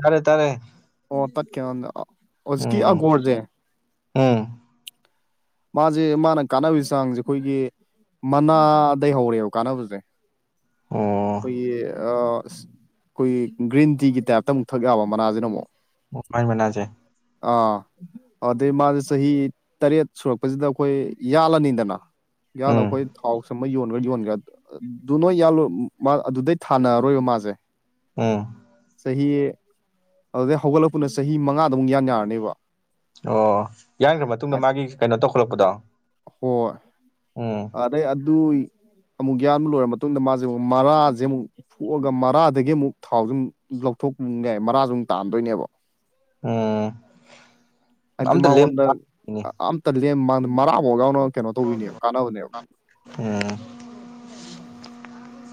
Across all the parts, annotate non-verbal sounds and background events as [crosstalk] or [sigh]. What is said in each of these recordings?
ꯇꯥꯔꯦ ꯇꯥꯔꯦ ꯑꯣ ꯇ꯭ꯠꯈꯤꯕ ꯋꯥꯅꯤꯗ ꯎꯝ ꯎꯝ ꯃꯥꯁꯦ ꯃꯥꯅ ꯀꯥꯟꯅꯕꯒꯤ ꯆꯥꯡꯁꯦ ꯑꯩꯈꯣꯏꯒꯤ ꯃꯅꯥꯗꯩ ꯍꯧꯔꯦꯕ ꯀꯥꯟꯅꯕꯁꯦ ꯑꯣ ꯑꯩꯈꯣꯏ ꯑꯁ ꯑꯩꯈꯣꯏꯒꯤ ꯒ꯭ꯔꯤꯟ ꯇꯤꯒꯤ ꯇꯥꯏꯞꯇ ꯑꯃꯨꯛ ꯊꯛ ꯌꯥꯕ ꯃꯅꯥꯁꯤꯅ ꯑꯃꯨꯛ ꯃꯥꯏ ꯃꯅꯥꯁꯦ ꯑꯥ ꯑꯗꯨꯗꯩ ꯃꯥꯗꯤ ꯆꯍꯤ ꯆꯍꯤ ꯇꯔꯦꯠ ꯁꯨꯔꯛꯄꯁꯤꯗ ꯑꯩꯈꯣꯏ ꯌꯥꯜꯂꯅꯤꯗꯅ ꯌꯥꯜꯂꯒ ꯎꯝ ꯑꯩꯈꯣꯏ ꯊꯥꯎ ꯁꯨꯝꯃ ꯌꯣꯟꯈ꯭ꯔ ꯌꯣꯟꯈ꯭ꯔꯦ ꯑꯗꯨ ꯅꯣꯏ ꯌꯥꯜꯂꯣꯏ ꯃꯥ ꯑꯗꯨꯗꯩ ꯊꯥꯅꯔꯔꯣꯏꯕ ꯃꯥꯁꯦ ꯎꯝ ꯆꯍꯤ ꯑꯗꯨꯗꯩ ꯍꯧꯒꯠꯂꯛꯄꯅ ꯆꯍꯤ ꯃꯉꯥꯗ ꯑꯃꯨꯛ ꯌꯥꯟ ꯌꯥꯔꯅꯦꯕ ꯑꯣ ꯌꯥꯟꯈ꯭ꯔ ꯃꯇꯨꯡꯗ ꯃꯥꯒꯤ ꯀꯩꯅꯣ ꯇꯧꯈꯠꯂꯛꯄꯗꯣ ꯍꯣꯏ ꯑꯣ ꯑꯗꯩ ꯑꯗꯨ ꯑꯃꯨꯛ ꯌꯥꯟꯕ ꯂꯣꯏꯔ ꯃꯇꯨꯡꯗ ꯃꯥꯖꯦ ꯑꯃꯨꯛ ꯃꯔꯥꯖꯦ ꯑꯃꯨꯛ ꯐꯨꯛꯑꯒ ꯃꯔꯥꯗꯒꯤ ꯑꯃꯨꯛ ꯊꯥꯎꯖꯨ ꯃꯨꯛ ꯂꯧꯊꯣꯛ ꯌꯥꯏ ꯃꯔꯥꯁꯖꯨ ꯃꯨꯛ ꯇꯥꯟꯗꯣꯏꯅꯦꯕ ꯎꯝ ꯍꯥꯏꯗꯤ ꯑꯝꯇ ꯂꯦꯝ ꯃꯉꯣꯟꯗ ꯊꯥꯗꯦꯅꯦ ꯑꯝꯇ ꯂꯦꯝ ꯃꯥꯡꯗꯦ ꯃꯔꯥꯕꯣꯛ ꯌꯥꯎꯅ ꯀꯩꯅꯣ ꯇꯧꯕꯤꯅꯦꯕ ꯀꯥꯟꯅꯕꯅꯦꯕ ꯎꯝ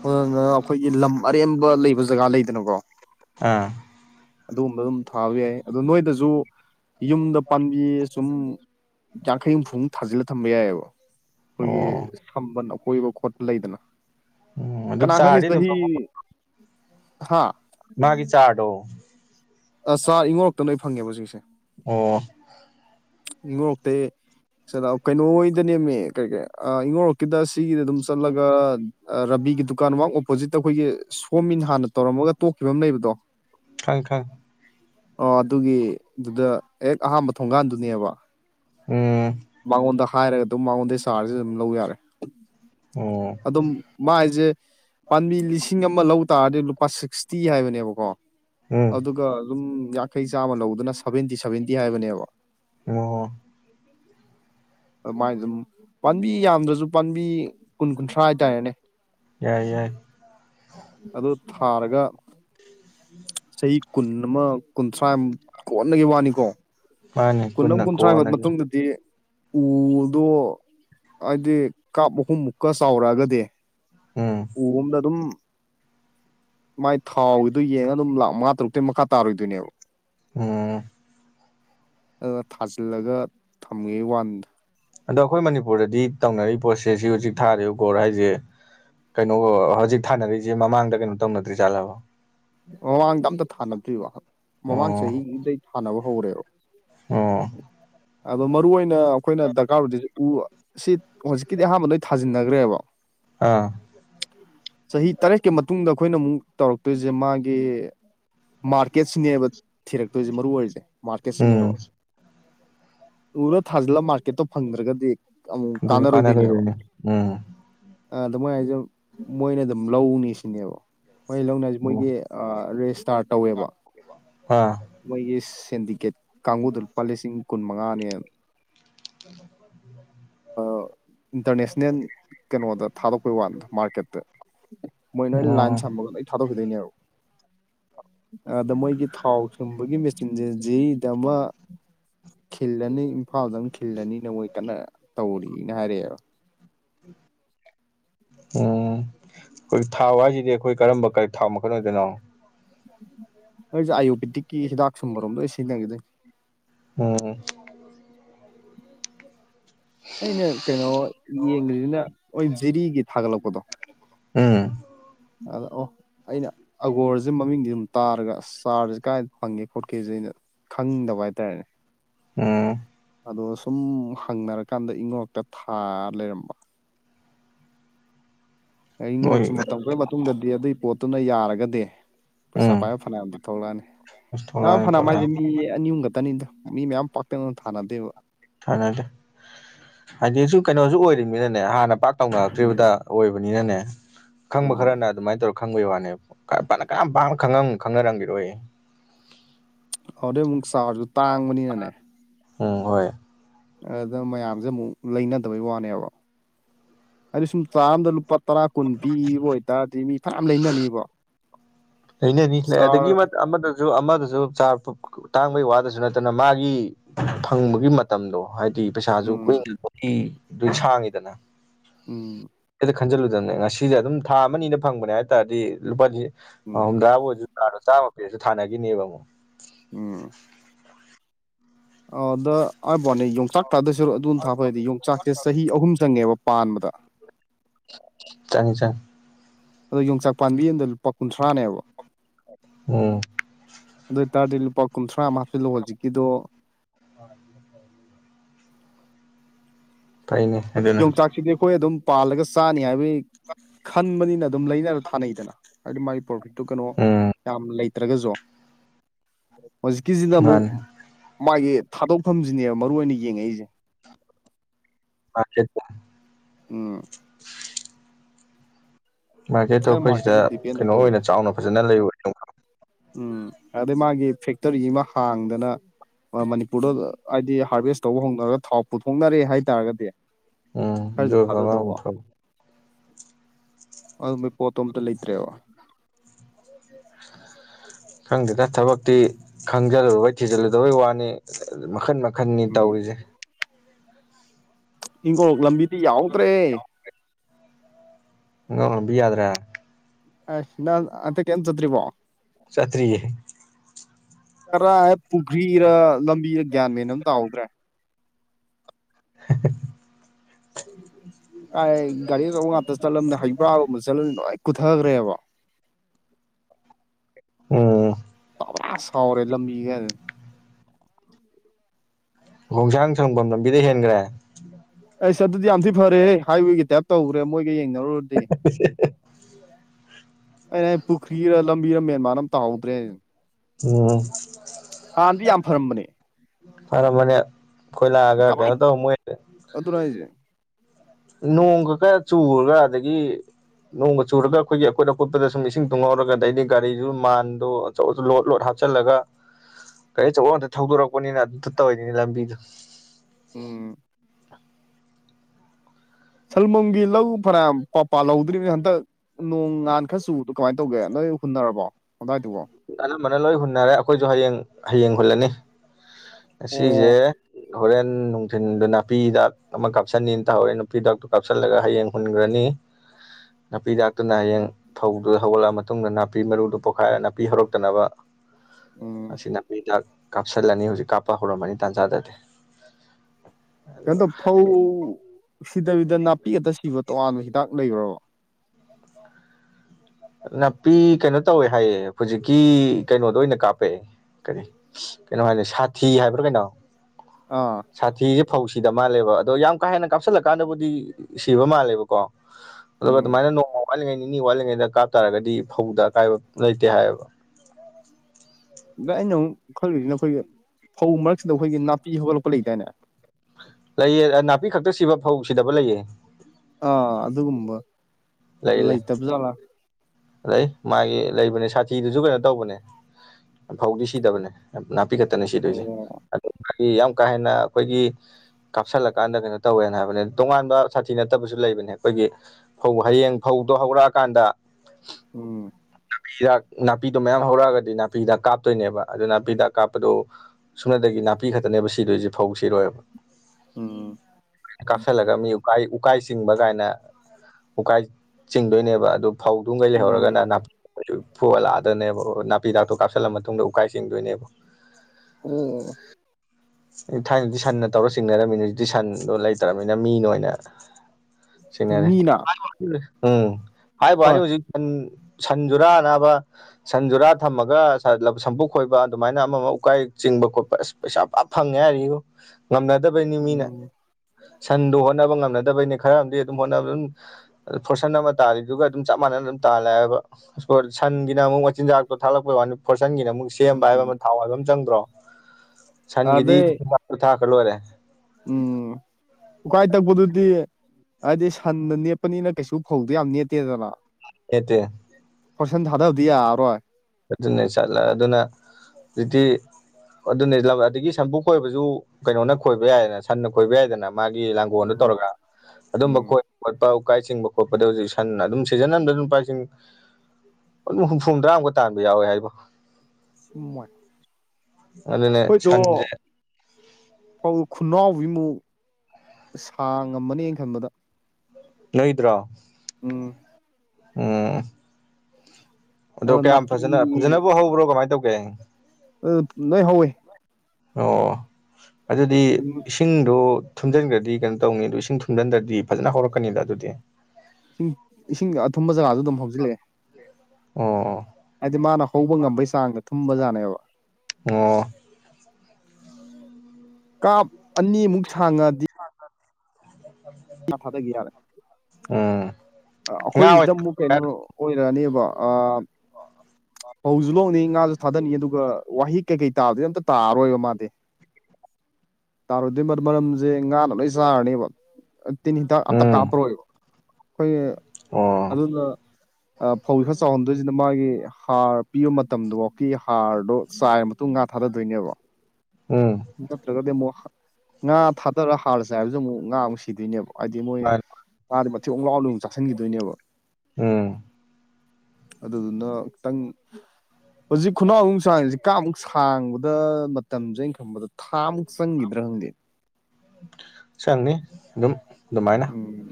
[unintelligible] ꯑꯈꯣꯏꯒꯤ ꯂꯝ ꯑꯔꯦꯝꯕ ꯂꯩꯕ ꯖꯒꯥ ꯂꯩꯗꯅꯀꯣ ꯑꯥ ꯑꯗꯨꯒꯨꯝꯕ ꯑꯗꯨꯝ ꯊꯥꯕ ꯌꯥꯏ ꯑꯗꯨ ꯅꯣꯏꯗꯖꯨ ꯌꯨꯝꯗ ꯄꯥꯝꯕꯤ ꯁꯨꯝ ꯌꯥꯡꯈꯩ ꯍꯨꯝꯐꯨꯃꯨꯛ ꯊꯥꯖꯤꯜꯂ ꯊꯝꯕ ꯌꯥꯏꯕ ꯑꯈꯣꯏꯒꯤ ꯑꯣ ꯁꯝꯕꯟ ꯑꯀꯣꯏꯕ ꯈꯣꯠꯄ ꯂꯩꯗꯅ ꯎꯝ ꯑꯗꯨꯝ ꯀꯅꯥ ꯈꯪꯅꯤ ꯆꯥꯔꯗꯤ ꯑꯗꯨꯝ ꯆꯍꯤ ꯍꯥ ꯃꯥꯒꯤ ꯆꯥꯔꯗꯣ ꯑ ꯆꯥꯔ ꯏꯪꯉꯧꯔꯣꯛꯇ ꯂꯣꯏ ꯐꯪꯉꯦꯕ ꯍꯧꯖꯤꯛꯁꯦ ꯑꯣ ꯏꯉꯧꯔꯣꯛꯇꯩ ꯁꯤꯗ ꯀꯩꯅꯣ ꯍꯣꯏꯗꯅꯦꯃꯤ ꯀꯔꯤ ꯀꯔꯤ ꯑꯥ ꯏꯉꯧꯔꯣꯛꯀꯤꯗ ꯁꯤꯒꯤꯗ ꯑꯗꯨꯝ ꯆꯠꯂꯒ ꯑꯥ ꯔꯕꯤꯒꯤ ꯗꯨꯀꯥꯟ ꯋꯥꯡ ꯑꯣꯄꯣꯖꯤꯠꯇ ꯑꯈꯣꯏꯒꯤ ꯁꯣ ꯃꯤꯟ ꯍꯥꯟꯅ ꯇꯧꯔꯝꯃꯒ ꯇꯣꯛꯈꯤꯕꯝ ꯂꯩꯕꯗꯣ ꯈꯪꯉꯦ ꯈꯪꯉꯦ ꯑꯣ ꯑꯗꯨꯒꯤ ꯗꯨꯗ ꯍꯦꯛ ꯑꯍꯥꯟꯕ ꯊꯣꯡꯒꯥꯟ ꯗꯨꯅꯦꯕ ꯎꯝ ꯃꯉꯣꯟꯗ ꯍꯥꯏꯔꯒ ꯑꯗꯨꯝ ꯃꯉꯣꯟꯗꯩ ꯆꯥꯔꯖꯤ ꯑꯗꯨꯝ ꯂꯧ ꯌꯥꯔꯦ ꯑꯣ ꯑꯗꯨꯝ ꯃꯥꯏ ꯍꯥꯌꯖꯦ ꯄꯥꯟꯕꯤ ꯂꯤꯁꯤꯡ ꯑꯃ ꯂꯧ ꯇꯥꯔꯗꯤ ꯂꯨꯄꯥ ꯁꯤꯛꯁ ꯇꯤ ꯍꯥꯏꯕꯅꯦꯕꯀꯣ ꯎꯝ ꯑꯗꯨꯒ ꯑꯗꯨꯝ ꯌꯥꯡꯈꯩ ꯆꯥꯝꯃ ꯂꯧꯕꯗꯨꯅ ꯁꯚꯦꯟꯇꯤ ꯁꯚꯦꯟꯇꯤ ꯍꯥꯏꯕꯅꯦꯕ ꯑꯣ ꯑꯗꯨꯃꯥꯏ ꯑꯗꯨꯝ ꯄꯥꯝꯕꯤ ꯌꯥꯝꯗ꯭ꯔꯖꯨ ꯄꯥꯝꯕꯤ ꯀꯨꯟ ꯀꯨꯟꯊ꯭ꯔꯥ ꯍꯥꯏꯇꯥꯔꯦꯅꯦ ꯌꯥꯏ ꯌꯥꯏ ꯑꯗꯨ ꯊꯥꯔꯒ [unintelligible] ꯆꯍꯤ ꯀꯨꯟ ꯑꯃꯥ ꯀꯨꯟꯊ꯭ꯔꯥꯃꯨꯛ ꯀꯣꯟꯅꯒꯤ ꯋꯥꯅꯤꯀꯣ ꯃꯥꯅꯤ ꯀꯨꯟꯑꯝ ꯀꯨꯟꯅ ꯀꯨꯟꯊ꯭ꯔꯥꯏ ꯀꯣꯟꯅꯒꯤ ꯃꯇꯨꯡꯗꯗꯤ ꯎꯗꯣ ꯍꯥꯏꯗꯤ ꯀꯥꯞ ꯑꯍꯨꯝꯃꯨꯛ ꯀ ꯆꯥꯎꯔꯛꯑꯒꯗꯤ ꯎꯝ ꯎ ꯑꯝꯗ ꯑꯗꯨꯝ ꯃꯥꯏ ꯊꯥꯎꯒꯤꯗꯨ ꯌꯦꯡꯉꯥ ꯑꯗꯨꯝ ꯂꯥꯛ ꯃꯉꯥ ꯇꯔꯨꯛꯇꯒꯤ ꯃꯈꯥ ꯇꯥꯔꯣꯏꯗꯣꯏꯅꯦꯕ ꯎꯝ ꯑꯗꯨꯅ ꯊꯥꯖꯤꯜꯂꯒ ꯊꯝꯒꯤꯕꯩ ꯋꯥꯟꯅꯤꯗ ꯑꯗꯣ ꯑꯩꯈꯣꯏ ꯃꯅꯤꯄꯨꯔꯗꯗꯤ ꯇꯧꯅꯔꯤ ꯄꯔꯣꯁꯦꯁꯤ ꯍꯧꯖꯤꯛ ꯊꯥꯔꯤ ꯒꯣꯔ ꯍꯥꯏꯖꯦ ꯀꯩꯅꯣ ꯍꯧꯖꯤꯛ ꯊꯥꯅꯔꯤꯖꯦ ꯃꯃꯥꯡꯗ ꯀꯩꯅꯣ ꯇꯧꯅꯗ꯭ꯔꯤ ꯖꯥꯠꯂꯥꯕ ꯃꯃꯥꯡꯗ ꯑꯝꯇ ꯊꯥꯅꯗ꯭ꯔꯤꯕ ꯃꯃꯥꯡ ꯆꯍꯤ ꯑꯣ ꯗꯩ ꯊꯥꯅꯕ ꯍꯧꯔꯦꯕ ꯑꯣ ꯑꯗꯣ ꯃꯔꯨ ꯑꯣꯏꯅ ꯑꯈꯣꯏꯅ ꯗꯔꯀꯥꯔ ꯑꯣꯏꯗꯣꯏꯖꯤ ꯎ ꯁꯤꯠ ꯍꯧꯖꯤꯛꯀꯤꯗꯤ ꯑꯍꯥꯟꯕ ꯂꯣꯏ ꯊꯥꯖꯤꯟꯅꯒꯔꯦꯕ ꯑꯥ ꯆꯍꯤ ꯇꯔꯦꯠꯀꯤ ꯃꯇꯨꯡꯗ ꯑꯈꯣꯏꯅ ꯑꯃꯨꯛ ꯇꯧꯔꯛꯇꯣꯏꯖꯦ ꯃꯥꯒꯤ ꯃꯥꯔꯀꯦꯠ ꯁꯤꯅꯦꯕ ꯊꯤꯔꯛꯇꯣꯏꯖꯦ ꯃꯔꯨ ꯑꯣꯏꯔꯤꯖꯦ ꯃꯥꯔꯀꯦꯠ ꯁꯤꯅꯦꯕ ꯎꯝ ꯎꯗꯣ ꯊꯥꯖꯤꯜꯂ ꯃꯥꯔꯀꯦꯠꯇꯣ ꯐꯪꯗ꯭ꯔꯒꯗꯤ ꯑꯃꯨꯛ ꯑꯗꯨꯁꯨ ꯀꯥꯟꯅꯔꯣꯏꯗꯣꯏꯅꯦꯕ ꯀꯥꯟꯅꯔꯣꯏꯗꯣꯏꯅꯦ ꯎꯝ ꯑꯥꯗ ꯃꯣꯏ ꯍꯥꯏꯁꯖꯦ ꯃꯣꯏꯅ ꯑꯗꯨꯝ ꯂꯧꯅꯤ ꯁꯤꯅꯦꯕ ꯃꯣꯏ ꯂꯧꯅꯤ ꯍꯥꯏꯖꯦ ꯑꯣ ꯃꯣꯏꯒꯤ ꯑꯥ ꯔꯦꯁꯇꯥꯔ ꯇꯧꯋꯦꯕ ꯑꯥ ꯃꯣꯏꯒꯤ ꯁꯦꯟꯗꯤꯀꯦꯠ ꯀꯥꯡꯕꯨꯗꯣ ꯂꯨꯄꯥ ꯂꯤꯁꯤꯡ ꯀꯨꯟ ꯃꯉꯥꯅꯦꯅ [unintelligible] ꯏꯟꯇꯔꯅꯦꯁꯅꯦꯜ ꯀꯩꯅꯣꯗ ꯊꯥꯗꯣꯛꯄꯩ ꯋꯥꯅꯤꯗꯣ ꯃꯥꯔꯀꯦꯠꯇ ꯃꯣꯏ ꯅꯣꯏ ꯂꯥꯏꯟ ꯎꯝ ꯁꯝꯃꯒ ꯅ ꯊꯥꯗꯣꯛꯈꯤꯗꯣꯏꯅꯦꯕ ꯑꯗ ꯃꯣꯏꯒꯤ ꯊꯥꯎ ꯁꯨꯝꯕꯒꯤ ꯃꯦꯆꯤꯟꯁꯦ ꯖꯤꯗ ꯑꯃ ꯈꯤꯜꯂꯅꯤ ꯏꯝꯐꯥꯜꯗ ꯑꯝ ꯈꯤꯜꯂꯅꯤ ꯅ ꯃꯣꯏ ꯀꯟꯅ ꯇꯧꯔꯤꯅ ꯍꯥꯏꯔꯛꯑꯦꯕ [unintelligible] ꯎꯝ ꯑꯩꯈꯣꯏ ꯊꯥꯎ ꯍꯥꯏꯁꯤꯗꯤ ꯑꯩꯈꯣꯏ ꯀꯔꯝꯕ ꯀꯔꯤ ꯊꯥꯎ ꯃꯈꯜ ꯑꯣꯏꯗꯣꯏꯅꯣ ꯑꯩꯁꯨ ꯑꯥꯌꯨꯕꯦꯗꯤꯛꯀꯤ ꯍꯤꯗꯥꯛ ꯁꯨꯝꯕꯔꯣꯝꯗꯣ ꯂꯣꯏ ꯁꯤꯖꯤꯟꯅꯈꯤꯗꯣꯏ ꯎꯝ ꯑꯩꯅ ꯀꯩꯅꯣ ꯌꯦꯡꯒꯤꯖꯤꯅ ꯑꯣꯏ ꯖꯤꯔꯤꯒꯤ ꯊꯥꯒꯠꯂꯛꯄꯗꯣ ꯎꯝ ꯑꯗ ꯑꯣ ꯑꯩꯅ ꯑꯒꯣꯔꯁꯦ ꯃꯃꯤꯡꯗꯤ ꯑꯗꯨꯝ ꯇꯥꯔꯒ ꯆꯥꯔꯁꯦ ꯀꯥꯏ ꯐꯪꯒꯦ ꯈꯣꯠꯀꯦꯁꯦ ꯑꯩꯅ ꯈꯪꯗꯕ ꯍꯥꯏꯇꯥꯔꯦꯅꯦ ꯎꯝ ꯑꯗꯣ ꯁꯨꯝ ꯍꯪꯅꯔꯀꯥꯟꯗ ꯏꯉꯣꯔꯇ ꯊꯥ ꯂꯩꯔꯝꯕ ꯑꯩ ꯃꯣꯏ ꯉꯣꯔꯛꯁꯨ ꯃꯇꯝ ꯈꯔꯒꯤ ꯃꯇꯨꯡꯗꯗꯤ ꯑꯗꯨꯏ ꯄꯣꯠꯇꯨꯅ ꯌꯥꯔꯒꯗꯤ ꯄꯩꯁꯥ ꯎꯝ ꯄꯥꯏꯕ ꯐꯅꯌꯥꯝꯗꯤ ꯊꯣꯛꯂꯛꯑꯅꯤ ꯑꯁ ꯊꯣꯛꯂꯛꯑꯅꯤ ꯐꯅꯌꯥꯝ ꯃꯥꯏꯁꯦ ꯊꯣꯛꯂꯛꯑꯅꯤ ꯃꯤ ꯑꯅꯤ ꯑꯍꯨꯝ ꯈꯛꯇꯅꯤꯗꯣ ꯃꯤ ꯃꯌꯥꯝ [unintelligible] ꯊꯥꯅꯗꯦꯕ ꯐꯅꯗꯦ ꯍꯥꯏꯗꯤꯁꯨ ꯀꯩꯅꯣꯁꯨ ꯑꯣꯏꯔꯤꯃꯤꯅꯅꯦ ꯍꯥꯟꯅ ꯄꯥꯛ ꯎꯝ ꯇꯧꯅꯗ꯭ꯔꯤꯕꯗ ꯑꯣꯏꯕꯅꯤꯅꯅꯦ ꯈꯪꯕ ꯎꯝ ꯈꯔꯅ ꯑꯗꯨꯃꯥꯏꯅ ꯇꯧꯔꯒ ꯈꯪꯕꯒꯤ ꯋꯥꯅꯦ ꯐꯅ ꯀꯌꯥꯝ ꯄꯥꯛꯅ ꯈꯪꯅꯔꯝꯒꯔꯣꯏ ꯑꯗꯨꯗꯩ ꯑꯃꯨꯛ ꯆꯥꯔꯁꯨ ꯇꯥꯡꯕꯅꯤꯅꯅꯦ ꯎꯝ ꯍꯣꯏ ꯑꯗꯨꯗ ꯃꯌꯥꯝꯁꯦ ꯑꯃꯨꯛ ꯂꯩꯅꯗꯕꯩ ꯋꯥꯅꯦꯕ ꯍꯥꯏꯗꯤ ꯁꯨꯝ ꯆꯥ ꯑꯝꯗ ꯂꯨꯄꯥ ꯇꯔꯥ ꯀꯨꯟ ꯄꯤꯕ ꯑꯣꯏꯇꯥꯔꯗꯤ ꯃꯤ ꯐꯔꯌꯥꯝ ꯂꯩꯅꯅꯤꯕꯣ ꯂꯩꯅꯅꯤ ꯂꯩ ꯑꯗꯒꯤ ꯑꯃ ꯑꯗꯨ ꯑꯃꯗꯁꯨ ꯆꯥꯔ ꯇꯥꯡꯕꯩ ꯋꯥꯗꯁꯨ ꯅꯠꯇꯅ ꯃꯥꯒꯤ ꯐꯪꯕꯒꯤ ꯃꯇꯝꯗꯣ ꯍꯥꯏꯗꯤ ꯗꯤ ꯄꯩꯁꯥꯁꯨ ꯎꯝ ꯀꯨꯏꯅꯒꯤ ꯑꯗꯨ ꯁꯥꯡꯉꯤꯗꯅ ꯎꯝ ꯀꯇ ꯈꯟꯖꯜꯂꯨꯗꯕꯅꯦ ꯉꯁꯤꯗ ꯑꯗꯨꯝ ꯊꯥ ꯑꯃ ꯑꯅꯤꯅ ꯐꯪꯕꯅꯦ ꯍꯥꯏꯇꯥꯥꯔꯗꯤ ꯂꯨꯄꯥꯗꯤ ꯎꯝ ꯍꯨꯝꯝꯗꯥꯕꯨ ꯑꯣꯏꯁꯨ ꯆꯥ ꯆꯥꯝꯃ ꯄꯤꯔꯁꯨ ꯊꯥꯅꯈꯤꯅꯦꯕ ꯑꯃꯨꯛ ꯎꯝ ꯑꯣ ꯑꯗ ꯍꯥꯏꯕꯋꯅꯦ ꯌꯣꯡꯆꯥꯛ ꯊꯥꯗꯣꯏ ꯁꯔꯨꯛ ꯑꯗꯨ ꯊꯥꯕ ꯑꯣꯏꯗꯤ ꯌꯣꯡꯆꯥꯛꯁꯦ ꯆꯍꯤ ꯑꯍꯨꯝ ꯆꯪꯉꯦꯕ ꯄꯥꯟꯕꯗ ꯆꯪꯉꯤ ꯆꯪꯉꯤ ꯑꯗꯣ ꯌꯣꯡꯆꯥꯛ ꯄꯥꯝꯕꯤ ꯑꯃꯗ ꯂꯨꯄꯥ ꯀꯨꯟꯊ꯭ꯔꯥꯅꯦꯕ ꯎꯝ ꯑꯗꯨ ꯑꯣꯏꯇꯥꯔꯗꯤ ꯂꯨꯄꯥ ꯀꯨꯟꯊ꯭ꯔꯥ ꯑꯃ ꯍꯥꯞꯤꯜꯂꯛꯑꯣ ꯍꯧꯖꯤꯛꯀꯤꯗꯣ ꯐꯩꯅꯦ ꯑꯗꯨꯅ ꯌꯣꯡꯆꯥꯛꯁꯤꯗꯤ ꯑꯩꯈꯣꯏ ꯑꯗꯨꯝ ꯄꯥꯜꯂꯒ ꯆꯥꯅꯤ ꯍꯥꯏꯕꯒꯤ ꯈꯟꯕꯅꯤꯅ ꯑꯗꯨꯝ ꯂꯩꯅꯔ ꯊꯥꯅꯩꯗꯅ ꯑꯗꯨ ꯃꯥꯒꯤ ꯄ꯭ꯔꯣꯐꯤꯠꯇꯨ ꯀꯩꯅꯣ ꯎꯝ ꯌꯥꯝ ꯂꯩꯇ꯭ꯔꯒꯁꯨ ꯍꯧꯖꯤꯛꯀꯤꯁꯤꯅ ꯑꯃꯨꯛ ꯃꯥꯅꯦ ꯃꯥꯒꯤ ꯊꯥꯗꯣꯛꯐꯝꯁꯤꯅꯦꯕ ꯃꯔꯨ ꯑꯣꯏꯅ ꯌꯦꯡꯉꯛꯏꯁꯦ ꯃꯥꯔꯀꯦꯠꯀꯤ ꯎꯝ ꯃꯥꯔꯀꯦꯠꯇꯣ ꯑꯩꯅ ꯑꯩꯈꯣꯏ ꯁꯤꯗ ꯃꯥꯔꯀꯦꯠꯇ ꯗꯤꯄꯦꯟ ꯑꯣꯏ ꯀꯩꯅꯣ ꯇꯧꯋꯦꯕ ꯑꯣꯏꯅ ꯆꯥꯎꯅ ꯐꯖꯅ ꯂꯩꯕ ꯎꯝ ꯑꯗꯩ ꯃꯥꯒꯤ ꯐꯦꯛꯇꯔꯤ ꯑꯃ ꯍꯥꯡꯗꯅ ꯃꯅꯤꯄꯨꯔꯗ ꯍꯥꯏꯗꯤ ꯍꯥꯔꯚꯦꯁ ꯇꯧꯕ ꯍꯧꯅꯔꯒ ꯊꯥꯎ ꯄꯨꯊꯣꯛꯅꯔꯦ ꯍꯥꯏꯇꯥꯔꯒꯗꯤ ꯎꯝ ꯑꯗꯨ ꯈꯔꯁꯨ ꯑꯣꯏꯕ ꯑꯃ ꯊꯥꯖꯗꯧꯕ ꯑꯃꯨꯛ ꯐꯕ ꯑꯗꯨꯅ ꯄꯣꯠꯇꯣ ꯑꯝꯇ ꯂꯩꯇ꯭ꯔꯦꯕ ꯈꯪꯗꯦꯗ ꯊꯕꯛꯇꯤ ꯈꯪꯖꯜꯂꯨꯗꯕꯩ ꯊꯤꯖꯤꯜꯂꯨꯗꯕꯩ ꯋꯥꯅꯤ ꯃꯈꯟ ꯃꯈꯟꯅꯤ ꯎꯝ ꯇꯧꯔꯤꯁꯦ ꯍꯤꯡꯒꯣꯔꯣꯛ ꯂꯝꯕꯤꯗꯤ ꯌꯥꯍꯧꯗ꯭ꯔꯦ ꯉꯥꯎꯅꯕꯤ ꯌꯥꯗ꯭ꯔꯦ ꯑ ꯅ ꯑꯗ ꯀꯦꯟꯟ ꯆꯗ꯭ꯔꯤꯕ ꯋꯥꯣ ꯆꯇꯔꯤꯌꯦ ꯈꯔ ꯍ ꯄꯨꯈ꯭ꯔꯤꯔ ꯂꯝꯕꯤꯗ ꯒ꯭ꯌꯥꯟ ꯃꯦꯟ ꯑꯃ ꯇꯥꯍꯧꯗ꯭ꯔꯦ [unintelligible] ꯀꯥꯏ ꯒꯥꯔꯤ ꯑꯧꯕ ꯉꯥꯛꯇ ꯆꯠꯂꯝꯗ ꯍꯩꯕ꯭ꯔꯥꯒꯨꯝꯕ ꯆꯠꯂꯝꯃꯤ ꯂꯣꯏ ꯀꯨꯊꯈ꯭ꯔꯦꯕ ꯎꯝ ꯇꯕꯥ ꯁꯥꯎꯔꯦ ꯂꯝꯕꯤꯒ ꯈꯣꯡꯁꯥꯡ ꯁꯪꯐꯝ ꯂꯝꯕꯤꯗ ꯍꯦꯟꯈ꯭ꯔꯦ ꯑꯩꯁ ꯑꯗꯨꯗꯤ ꯌꯥꯝ ꯊꯤ ꯐꯔꯦ ꯍꯥꯏꯋꯦꯒꯤ ꯇꯥꯏꯞ ꯇꯧꯈ꯭ꯔꯦ ꯃꯣꯏꯒ ꯌꯦꯡꯅꯔꯨꯔ [unintelligible] ꯑꯩꯅ ꯑ ꯄꯨꯈ꯭ꯔꯤꯔ ꯂꯝꯕꯤꯔ ꯃꯦꯟꯃꯥꯔ ꯑꯃ ꯇꯥꯍꯧꯗ꯭ꯔꯦ ꯎꯝ ꯍꯥꯟꯅꯗꯤ ꯌꯥꯝ ꯐꯔꯝꯕꯅꯦ ꯐꯔ ꯃꯅꯦ ꯑꯩꯈꯣꯏ ꯂꯥꯛꯑꯒ ꯀꯃꯥꯏ ꯀꯩꯅꯣ ꯇꯧꯔ ꯃꯣꯏꯁꯦ ꯑꯗꯨꯅ ꯍꯥꯏꯁꯤꯦ ꯅꯣꯡꯒ ꯈꯔ ꯆꯨꯔꯒ ꯑꯗꯒꯤ ꯅꯣꯡꯃ ꯆꯨꯔꯒ ꯑꯩꯈꯣꯏꯒꯤ ꯑꯀꯨꯠ ꯑꯀꯨꯠꯄꯗ ꯁꯨꯝ ꯏꯁꯤꯡ ꯇꯨꯡꯍꯧꯔꯒ ꯑꯩꯗꯤ ꯒꯥꯔꯤꯁꯨ ꯃꯥꯟꯗꯣ ꯑꯆꯧ ꯂꯣꯠ ꯂꯣꯠ ꯍꯥꯞꯆꯤꯜꯂꯒ ꯀꯒꯥꯔꯤ ꯑꯆꯧ ꯑꯝꯇ ꯊꯧꯗꯣꯔꯛꯄꯅꯤꯅ ꯑꯗꯨꯝꯇ ꯇꯧꯔꯤꯅꯤꯅꯦ ꯂꯝꯕꯤꯗꯣ ꯎꯝ ꯁꯜꯃꯝꯒꯤ ꯂꯧ ꯐꯔ ꯄꯄꯥ ꯂꯧꯗ꯭ꯔꯤꯕꯅꯤ ꯍꯟꯗꯛ ꯅꯣꯡ ꯉꯥꯟ ꯈꯔ ꯆꯨꯕꯗꯣ ꯀꯃꯥꯏꯅ ꯇꯧꯒꯦ ꯅꯣꯏ ꯍꯨꯟꯅꯔꯕꯣ ꯑꯗꯨꯋꯥꯏꯗꯨꯒꯣ ꯑꯅꯝꯕꯅ ꯂꯣꯏ ꯍꯨꯟꯅꯔꯦ ꯑꯩꯈꯣꯏꯁꯨ ꯍꯌꯦꯡ ꯍꯌꯦꯡ ꯍꯨꯜꯂꯅꯤ ꯑꯣ ꯑꯁꯤꯁꯦ ꯍꯣꯔꯦꯟ ꯅꯨꯡꯊꯤꯟꯗ ꯅꯥꯄꯤꯗꯥꯛ ꯑꯃ ꯀꯥꯞꯁꯤꯟꯅꯤꯅ ꯇꯍꯔꯦ ꯅꯨꯄꯤꯗꯥꯛꯇꯣ ꯀꯥꯞꯁꯤꯜꯂꯒ ꯍꯌꯦꯡ ꯎꯟꯒꯅꯤ ꯅꯥꯄꯤꯗꯥꯛꯇꯨꯅ ꯍꯌꯦꯡ ꯐꯧꯗꯨ ꯍꯧꯒꯠꯂꯑ ꯃꯇꯨꯡꯗ ꯅꯥꯄꯤ ꯃꯔꯨꯗꯨ ꯄꯣꯛꯈꯥꯏꯔꯒ ꯄꯤ ꯍꯧꯔꯛꯇꯅꯕ ꯎꯝ ꯑꯁꯤꯅꯄꯤ ꯍꯤꯗꯥꯛ ꯀꯥꯞꯁꯤꯜꯂꯅꯤ ꯍꯧꯖꯤꯛ ꯀꯥꯞꯄ ꯍꯧꯔꯝꯃꯅꯤ ꯇꯥꯟꯖꯥꯗꯗꯤ ꯀꯟꯇꯣ ꯑꯗꯨꯒ ꯐꯧ ꯁꯤꯗꯕꯤꯗ ꯅꯥꯄꯤ ꯈꯛꯇ ꯄꯤꯕ ꯇꯣꯉꯥꯟꯕ ꯍꯤꯗꯥꯛ ꯂꯩꯈ꯭ꯔꯣ [unintelligible] ꯅꯥꯄꯤ ꯀꯩꯅꯣ ꯇꯧꯋꯦ ꯍꯥꯏꯌꯦ ꯍꯧꯖꯤꯛꯀꯤ ꯀꯩꯅꯣꯗ ꯑꯣꯏꯅ ꯀꯥꯞꯄꯛꯦ ꯀꯔꯤ ꯀꯩꯅꯣ ꯍꯥꯏꯅꯤ ꯁꯥꯊꯤ ꯍꯥꯏꯕ꯭ꯔꯥ ꯀꯩꯅꯣ ꯑꯥ ꯁꯥꯊꯤꯁꯦ ꯐꯧ ꯁꯤꯗ ꯃꯥꯜꯂꯦꯕ ꯑꯗꯣ ꯌꯥꯝ ꯀꯥ ꯍꯦꯟꯅ ꯀꯥꯞꯁꯤꯜꯂꯀꯥꯟꯗꯕꯨꯗꯤ ꯁꯤꯕ ꯃꯥꯜꯂꯦꯕꯀꯣ ꯑꯗꯨꯒ ꯎꯝ ꯃꯥꯏ ꯅ ꯋꯥꯠꯂꯤꯉꯩ ꯅꯤꯅꯤ ꯋꯥꯠꯂꯤꯉꯩꯗ ꯀꯥꯞꯇꯥꯥꯔꯒꯗꯤ ꯐꯧꯗ ꯑꯀꯥꯏꯕ ꯂꯩꯇꯦ ꯍꯥꯏꯌꯦꯕ ꯑꯗ ꯑꯩꯅ ꯑꯃꯨꯛ ꯈꯜꯂꯤꯜꯂꯤꯁꯤꯅ ꯑꯩꯈꯣꯏꯒꯤ ꯐꯧ ꯃꯔꯛꯁꯤꯗ ꯑꯩꯈꯣꯏꯒꯤ ꯅꯥꯄꯤ ꯍꯧꯒꯠꯂꯛꯄ ꯂꯩꯗꯥꯏꯅꯦ ꯂꯩꯑ ꯅꯥꯄꯤ ꯈꯛꯇ ꯁꯤꯕ ꯐꯧ ꯁꯤꯗꯕ ꯂꯩꯌꯦ ꯑꯥ ꯑꯗꯨꯒꯨꯝꯕ ꯂꯩꯇꯕꯖꯥꯠꯂꯥ ꯂꯩꯗ ꯃꯥꯒꯤ ꯂꯩꯕꯅꯦ ꯁꯥꯊꯤꯗꯨꯁꯨ ꯀꯩꯅꯣ ꯇꯧꯕꯅꯦ ꯐꯧꯗꯤ ꯁꯤꯗꯕꯅꯦ ꯅꯥꯄꯤ ꯈꯛꯇꯅꯦ ꯁꯤꯗꯣꯏꯁꯦ ꯑꯣ ꯑꯣ ꯃꯥꯒꯤ ꯌꯥꯝ ꯀꯥ ꯍꯦꯟꯅ ꯑꯩꯈꯣꯏꯒꯤ ꯀꯥꯞꯁꯤꯜꯂꯀꯥꯟꯗ ꯀꯩꯅꯣ ꯇꯧꯋꯦꯅ ꯍꯥꯏꯕꯅꯦ ꯇꯣꯉꯥꯟꯕ ꯁꯥꯊꯤ ꯅꯠꯇꯕꯁꯨ ꯂꯩꯕꯅꯦ ꯑꯩꯈꯣꯏꯒꯤ ꯐꯧ ꯍꯌꯦꯡ ꯐꯧꯗꯣ ꯍꯧꯔꯛꯑꯀꯥꯟꯗ ꯎꯝ ꯅꯥꯄꯤꯗꯥꯛ ꯅꯥꯄꯤꯗꯣ ꯃꯌꯥꯝ ꯍꯧꯔꯛꯑꯒꯗꯤ ꯅꯥꯄꯤꯗꯥꯛ ꯀꯥꯞꯇꯣꯏꯅꯦꯕ ꯑꯗꯨ ꯅꯥꯄꯤꯗꯥꯛ ꯀꯥꯞꯄꯗꯨ ꯁꯨꯞꯅꯗꯒꯤ ꯅꯥꯄꯤ ꯈꯛꯇꯅꯦꯕ ꯁꯤꯗꯣꯏꯁꯦ ꯐꯧ ꯁꯤꯔꯣꯏꯑꯕ ꯎꯝ ꯀꯥꯞꯁꯤꯜꯂꯒ ꯃꯤ ꯎꯀꯥꯏ ꯎꯀꯥꯏ ꯆꯤꯡꯕ ꯀꯥꯏꯅ ꯎꯀꯥꯏ ꯆꯤꯡꯗꯣꯏꯅꯦꯕ ꯑꯗꯨ ꯐꯧꯗꯨꯒꯩ ꯎꯝ ꯂꯩꯍꯧꯔꯒꯅ ꯐꯨꯍꯜꯂꯛꯑꯗꯅꯦꯕ ꯑꯣ ꯅꯥꯄꯤꯗꯥꯛꯇꯣ ꯀꯥꯞꯁꯤꯜꯂ ꯃꯇꯨꯡꯗ ꯎꯀꯥꯏ ꯆꯤꯡꯗꯣꯏꯅꯦꯕ ꯑꯣ ꯊꯥꯏꯅꯗꯤ ꯁꯟꯅ ꯇꯧꯔ ꯆꯤꯡꯅꯔꯝꯃꯤꯅ ꯑꯗꯨꯗꯤ ꯁꯟꯗꯣ ꯂꯩꯇ꯭ꯔꯃꯤꯅ ꯃꯤꯅ ꯑꯣꯏꯅ ꯁꯤꯅꯦꯔꯦ ꯃꯤꯅ ꯎꯝ ꯍꯥꯏꯕꯅꯤ ꯑꯣꯏ ꯍꯧꯖꯤꯛ ꯁꯟꯖꯨꯔꯥ ꯔꯕ ꯁꯟ ꯖꯨꯔꯥ ꯊꯝꯃꯒ ꯁꯝꯕꯨꯨꯛ ꯈꯣꯏꯕ ꯑꯗꯨꯃꯥꯏꯅ ꯑꯃ ꯑꯃ ꯎꯀꯥꯏ ꯆꯤꯡꯕ ꯈꯣꯠꯄ ꯑꯁ ꯄꯩꯁꯥ ꯄꯥ ꯐꯪꯉꯦ ꯍꯥꯏꯔꯤꯕ‌ꯣ ꯉꯝꯅꯗꯕꯩꯅ‌ꯦ ꯃꯤꯅ ꯎꯝ ꯁꯟꯗꯣ ꯍꯣꯠꯅꯕ ꯉꯝꯅꯗꯕꯩꯅꯤ ꯈꯔ ꯑꯃꯗꯤ ꯑꯗꯨꯝ ꯍꯣꯠꯅꯕ ꯑꯗꯨꯝ ꯑꯗꯨ ꯐꯣꯔꯁꯟ ꯑꯃ ꯇꯥꯜꯂꯤꯗꯨꯒ ꯑꯗꯨꯝ ꯆꯞ ꯃꯥꯟꯅꯅ ꯑꯗꯨꯝ ꯇꯥꯜꯂꯦꯍꯥꯏꯕ ꯁꯟꯒꯤꯅ ꯑꯃꯨꯛ ꯃꯆꯤꯟꯖꯥꯛꯇꯣ ꯊꯥꯂꯛꯄ ꯋꯥꯅꯤ ꯐꯣꯔ ꯁꯟꯒꯤꯅ ꯑꯃꯨꯛ ꯁꯦꯝꯕ ꯍꯥꯏꯕ ꯎꯝ ꯑꯃ ꯊꯥꯎ ꯍꯥꯏꯕ ꯑꯃ ꯆꯪꯗ꯭ꯔꯣ ꯁꯟꯒꯤꯗꯤ ꯑꯗꯩ ꯊꯥꯛꯈ꯭ꯔ ꯂꯣꯏꯔꯦ ꯎꯝ ꯎꯀꯥꯏ ꯇꯛꯄꯗꯨꯗꯤ ꯍꯥꯏꯗꯤ ꯁꯟꯗ ꯅꯦꯠꯄꯅꯤꯅ ꯀꯩꯁꯨ ꯐꯧꯗ ꯌꯥꯝ ꯅꯦꯠꯇꯦꯗꯅ ꯍꯦꯇꯦ ꯐꯣꯔꯁꯦꯟ ꯊꯥꯗꯕꯗꯤ ꯌꯥꯔꯔꯣꯏ ꯑꯗꯨꯅꯦ ꯆꯠꯂꯒ ꯑꯗꯨꯅ ꯍꯧꯖꯤꯛꯇꯤ ꯑꯗꯨꯅꯦ ꯑꯗꯒꯤ ꯁꯝꯕꯨꯛ ꯀꯣꯏꯕꯁꯨ ꯀꯩꯅꯣꯅ ꯈꯣꯏꯕ ꯌꯥꯏꯗꯅ ꯁꯟꯅ ꯈꯣꯏꯕ ꯌꯥꯏꯗꯅ ꯃꯥꯒꯤ ꯂ ꯍꯣꯟꯅ ꯎꯝ ꯇꯩꯔꯒ ꯑꯗꯨꯝꯕ ꯎꯝ ꯈꯣꯠꯄ ꯈꯣꯠꯄ ꯎꯀꯥꯏ ꯆꯤꯡꯕ ꯈꯣꯠꯄꯗ ꯍꯧꯖꯤꯛ ꯁꯟꯅ ꯑꯗꯨꯝ ꯁꯤꯖꯤꯟꯅꯝꯗ ꯂꯨꯄꯥꯁꯤꯡ ꯑꯗꯨꯝ ꯍꯨꯝꯐꯨꯍꯨꯝꯗ꯭ꯔꯥꯃꯨꯛꯀ ꯇꯥꯟꯕ ꯌꯥꯎꯋꯦ ꯍꯥꯏꯕꯣ ꯎꯣꯏ ꯑꯗꯨꯅꯦ ꯑꯩꯈꯣꯏꯗꯣ ꯁꯟꯁꯦ ꯐꯩ ꯈꯨꯅꯥꯎꯕꯤꯃꯨꯛ ꯁꯥꯡꯉꯝꯃꯅꯤ ꯑꯩꯅ ꯈꯟꯕꯗ ꯅꯣꯏꯗ꯭ꯔꯥ ꯎꯝ ꯎꯝ ꯑꯗꯣ ꯀꯌꯥꯝ ꯐꯖꯅ ꯐꯖꯅꯕꯨ ꯍꯧꯕ꯭ꯔꯣ ꯀꯃꯥꯏꯅ ꯇꯧꯒꯦ ꯎ ꯂ‌ꯣꯏ ꯍꯧꯋꯦ ꯑꯣ ꯑꯗꯨꯗꯤ ꯏꯁꯤꯡꯗꯣ ꯊꯨꯝꯖꯤꯟꯈ꯭ꯔꯗꯤ ꯀꯩꯅꯣ ꯇꯧꯅꯤ ꯑꯗꯨꯣ ꯏꯁꯤꯡ ꯊꯨꯝꯖꯤꯟꯗ꯭ꯔꯗꯤ ꯐꯖꯅ ꯍꯧꯔꯛꯀꯅꯤꯗ ꯑꯗꯨꯗꯤ ꯏꯁꯤꯡ ꯏꯁꯤꯡ ꯑꯊꯨꯝꯕ ꯖꯒꯥꯗ ꯑꯗꯨꯝ ꯍꯧꯖꯤꯜꯂꯛꯑꯦ ꯑꯣ ꯍꯥꯏꯗꯤ ꯃꯥꯅ ꯍꯧꯕ ꯉꯝꯕꯩ ꯆꯥꯡꯗ ꯊꯨꯝꯕ ꯖꯥꯠꯅꯦꯕ ꯑꯣ ꯀꯥꯞ ꯑꯅꯤꯃꯨꯛ ꯁꯥꯡꯉꯗꯤ [unintelligible] [inaudible] ꯊꯥ ꯌꯥꯔꯦ ꯎꯝ ꯉꯥ ꯑꯩꯈꯣꯏꯁꯤꯗ ꯑꯃꯨꯛ ꯑꯣꯏꯅ ꯀꯩꯅꯣ ꯑꯣꯏꯔꯛꯑꯅꯤꯕ ꯐꯧꯁꯨ ꯂꯣꯡꯅꯤ ꯉꯥꯁꯨ ꯊꯥꯗꯅꯤ ꯑꯗꯨꯒ ꯋꯥꯍꯩ ꯀꯩꯀꯩ ꯇꯥꯕꯗꯨꯗꯤ ꯑꯝꯠꯇ ꯇꯥꯔꯔꯣꯏꯕ ꯃꯥꯗꯤ ꯇꯥꯔꯣꯏꯗꯣꯏ ꯃꯔꯝꯁꯦ ꯉꯥꯅ ꯂꯣꯏ ꯆꯥꯔꯅꯤꯕ ꯇꯤꯟ ꯍꯤꯗꯥꯛ ꯑꯝꯇ ꯎꯝ ꯀꯥꯞꯄꯔꯣꯏꯕ ꯑꯩꯈꯣꯏ ꯑꯣ ꯑꯗꯨꯅ ꯐꯧ ꯈꯔ ꯆꯥꯎꯍꯟꯗꯣꯏꯁꯤꯅ ꯃꯥꯒꯤ ꯍꯥꯔ ꯄꯤꯕ ꯃꯇꯝꯗꯨꯐꯥꯎꯀꯤ ꯍꯥꯔꯗꯣ ꯆꯥꯏꯔ ꯃꯇꯨꯡ ꯉꯥ ꯊꯥꯗꯗꯣꯏꯅꯦꯕ ꯎꯝ ꯅꯠꯇ꯭ꯔꯒꯗꯤ ꯑꯃꯨꯛ ꯉꯥ ꯊꯥꯗꯔ ꯍꯥꯔ ꯆꯥꯏꯕꯁ‌ꯦ ꯉꯥ ꯑꯃꯨꯛ ꯁꯤꯗꯣꯏꯅꯦꯕ ꯍꯥꯏꯗꯤ ꯃꯣꯏ ꯃꯥꯅꯤ ꯃꯥꯗꯤ ꯃꯇꯤꯕ‌ꯣꯡ ꯂꯥꯎꯅ ꯑꯗꯨꯝ ꯆꯥꯁꯤꯟꯈꯤꯗꯣꯏꯅꯦꯕ ꯎꯝ ꯑꯗꯨꯗꯨꯅ ꯈꯤꯇꯪ ꯍꯧꯖꯤꯛ ꯈꯨꯅꯥꯎꯕꯤ ꯃꯨꯛ ꯁꯥꯡꯉꯤꯁ‌ꯦ ꯀꯥꯃꯨꯛ ꯁꯥꯡꯕꯗ ꯃꯇꯝꯁꯦ ꯑꯩꯅ ꯈꯪꯕꯗ ꯊꯥꯨꯛ ꯆꯪꯈꯤꯗ꯭ꯔꯥ ꯍꯪꯗꯦ ꯆꯪꯅꯤ ꯑꯗꯨꯝ ꯑꯗꯨꯃꯥꯏꯅ ꯎꯝ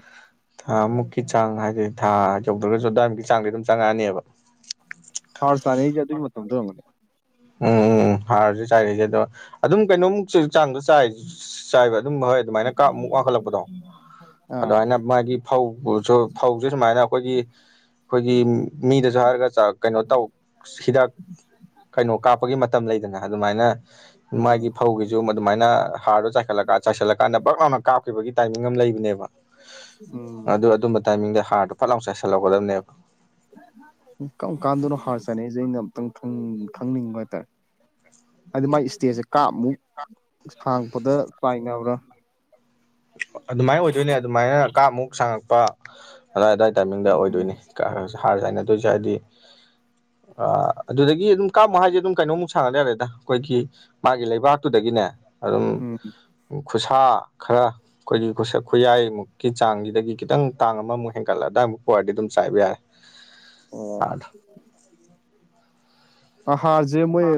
ꯊꯥ ꯃꯨꯛꯀꯤ ꯆꯥꯡ ꯍꯥꯏꯗꯤ ꯊꯥ ꯌꯧꯗ꯭ꯔꯒꯁꯨ ꯑꯗꯨꯋꯥꯏꯃꯨꯛꯀꯤ ꯆꯥꯡꯗꯤ ꯑꯗꯨꯝ ꯆꯪꯉꯛꯑꯅꯤꯕ ꯍꯥꯔ ꯆꯥꯏ ꯔꯤꯉꯩꯒꯤ ꯑꯗꯨ ꯃꯇꯝꯝꯗ‌ꯣ ꯑꯣꯏꯔꯝꯅꯤ ꯎꯝ ꯍꯥꯔꯁꯨ ꯆꯥꯏꯔꯛꯏꯁꯦ ꯑꯗ ꯑꯗꯨꯝ ꯀꯩꯅꯣꯃꯨꯛ ꯆ ꯆꯥꯡꯗ ꯆꯥꯏꯔꯤꯁ ꯆꯥꯏꯕ ꯑꯗꯨꯝ ꯍꯣꯏ ꯑꯗꯨꯃꯥꯏꯅ ꯀꯥꯞ ꯃꯨꯛ ꯋꯥꯡꯈꯠꯂꯛꯄꯗꯣ ꯑꯥ ꯑꯗꯨꯃꯥꯏꯅ ꯃꯥꯒꯤ ꯐꯧꯁꯨ ꯐꯧꯁꯦ ꯁꯨꯃꯥꯏꯅ ꯑꯩꯈꯣꯏꯒꯤ ꯑꯩꯈꯣꯏꯒꯤ ꯃꯤꯗꯁꯨ ꯍꯥꯏꯔꯒ ꯆ ꯀꯩꯅꯣ ꯇꯧ ꯍꯤꯗꯥꯛ ꯀꯩꯅꯣ ꯀꯥꯞꯄꯒꯤ ꯃꯇꯝ ꯂꯩꯗꯅ ꯑꯗꯨꯃꯥꯏꯅ ꯃꯥꯒꯤ ꯐꯧꯒꯤꯁꯨ ꯑꯗꯨꯃꯥꯏꯅ ꯍꯥꯔꯗꯣ ꯆꯥꯏꯈꯠꯂ ꯆꯥꯏꯁꯤꯜꯂꯀꯥꯟꯗ ꯕꯛ ꯑꯃ ꯀꯥꯞꯈꯤꯕꯒꯤ ꯇꯥꯏꯃꯤꯡ ꯑꯃ ꯂꯩꯕꯅꯦꯕ ꯎꯝ ꯑꯗꯨ ꯑꯗꯨꯝꯕ ꯇꯥꯏꯃꯤꯡꯗ ꯍꯥꯔꯗꯣ ꯄꯠꯂꯥꯎ ꯆꯥꯏꯁꯜꯍꯛꯒꯗꯕꯅꯦꯕ ꯀꯔꯝ ꯀꯥꯟꯗꯅꯣ ꯍꯥꯔ ꯆꯥꯅꯩꯁꯦ ꯑꯩꯅ ꯑꯃꯨꯛꯇꯪ ꯈꯪꯅꯤꯡꯕ ꯍꯥꯏꯇꯥꯔꯦ ꯍꯥꯏꯗꯤ ꯃꯥꯏ ꯏꯁꯇꯦꯖꯁꯦ ꯀꯥꯞꯃꯨꯛ ꯁꯥꯡꯉꯛꯄꯗ ꯆꯥꯏꯅꯕ꯭ꯔꯥ ꯑꯗꯨꯃꯥꯏꯅ ꯑꯣꯏꯗꯣꯏꯅꯦ ꯑꯗꯨꯃꯥꯏꯅ ꯀꯥ ꯃꯨꯛ ꯁꯥꯡꯉꯛꯄ ꯑꯏ ꯑꯗꯥꯏ ꯇꯥꯏꯃꯤꯡꯗ ꯎꯝ ꯑꯣꯏꯗꯣꯏꯅꯤ ꯍꯥꯔꯁꯦ ꯍꯥꯏꯅꯗꯣꯏꯁꯦ ꯍꯥꯏꯗꯤ ꯑ ꯑꯗꯨꯗꯒꯤ ꯑꯗꯨꯝ ꯀꯥꯞꯃꯣ ꯍꯥꯏꯁꯦ ꯑꯗꯨꯝ ꯀꯩꯅꯣꯃꯨꯛ ꯁꯥꯟꯅꯗ ꯌꯥꯔꯦꯗ ꯑꯩꯈꯣꯏꯒꯤ ꯃꯥꯒꯤ ꯂꯩꯕꯥꯛꯇꯨꯗꯒꯤꯅꯦ ꯑꯗꯨꯝ ꯎꯝ ꯈꯨꯁꯥ ꯈꯔ ꯑꯩꯈꯣꯏꯒꯤ ꯈꯨꯌꯥꯏꯃꯨꯛꯀꯤ ꯆꯥꯡꯁꯤꯗꯒꯤ ꯈꯤꯇꯪ ꯇꯥꯡ ꯑꯃꯃꯨꯛ ꯍꯦꯟꯒꯠꯂꯗꯥꯏ ꯑꯃꯨꯛ ꯄ ꯑꯣꯏꯔꯗꯤ ꯑꯗꯨꯝ ꯆꯥꯏꯕ ꯌꯥꯔꯦ ꯑ ꯑꯣ ꯍꯥꯥꯖꯦ ꯃꯌꯦ